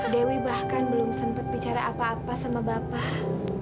dewi bahkan belum sempat bicara apa apa sama bapak